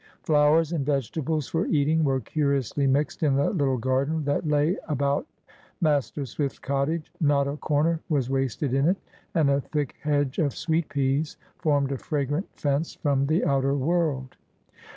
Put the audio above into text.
Flowers and vegetables for eating were curiously mixed in the little garden that lay about Master Swift's cottage. Not a corner was wasted in it, and a thick hedge of sweet peas formed a fragrant fence from the outer world.